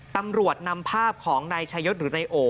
ตำรวจนำภาพของนายชายศหรือนายโอ